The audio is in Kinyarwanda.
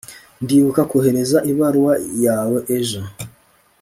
ndibuka kohereza ibaruwa yawe ejo